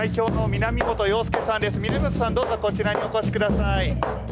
南本さん、どうぞこちらにお越しください。